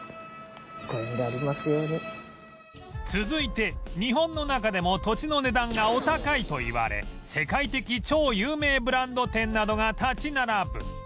続いて日本の中でも土地の値段がお高いといわれ世界的超有名ブランド店などが立ち並ぶ